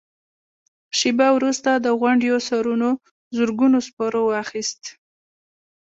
شېبه وروسته د غونډيو سرونو زرګونو سپرو واخيست.